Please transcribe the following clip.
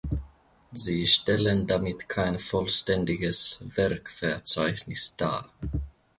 Sie stellen damit kein vollständiges Werkverzeichnis dar.